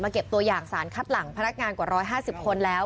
เก็บตัวอย่างสารคัดหลังพนักงานกว่า๑๕๐คนแล้ว